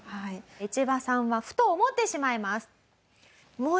イチバさんはふと思ってしまいます。